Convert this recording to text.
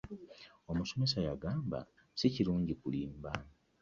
Omusomesa yagamba sikirungi kulimba.